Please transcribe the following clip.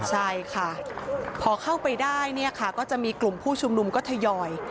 ใช่ค่ะพอเข้าไปได้เนี่ยค่ะก็จะมีกลุ่มผู้ชุมนุมก็ทยอย